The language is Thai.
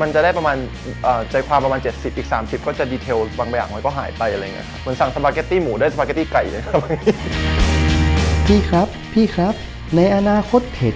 มันจะได้ประมาณใจความประมาณ๗๐อีก๓๐